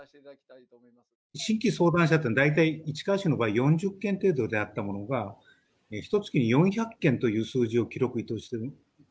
新規相談者って大体市川市の場合４０件程度であったものがひとつきに４００件という数字を記録しております。